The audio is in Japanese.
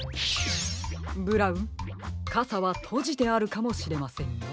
ブラウンかさはとじてあるかもしれませんよ。